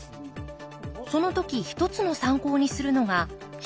その時一つの参考にするのが視聴率。